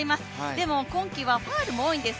でも、今季はファウルも多いんです